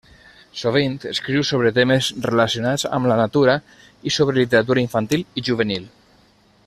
Sovint escriu sobre temes relacionats amb la natura i sobre literatura infantil i juvenil.